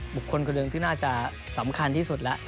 บุคคลคนหนึ่งที่น่าจะสำคัญที่สุดแล้ว